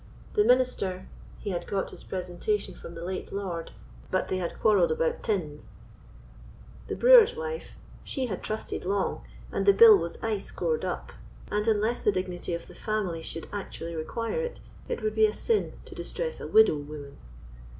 The minister—he had got his presentation from the late lord, but they had quarrelled about teinds; the brewster's wife—she had trusted long, and the bill was aye scored up, and unless the dignity of the family should actually require it, it would be a sin to distress a widow woman.